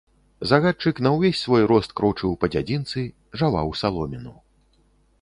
Загадчык на ўвесь свой рост крочыў па дзядзінцы, жаваў саломіну.